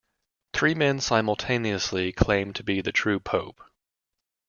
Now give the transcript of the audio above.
Three men simultaneously claimed to be the true pope.